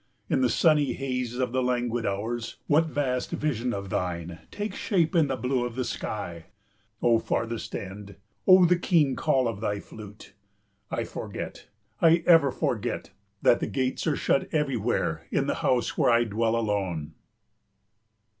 In the sunny haze of the languid hours, what vast vision of thine takes shape in the blue of the sky! O Farthest end, O the keen call of thy flute! I forget, I ever forget, that the gates are shut everywhere in the house where I dwell alone!